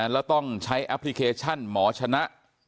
แล้วต้องใช้แอปพลิเคชันหมอชนะ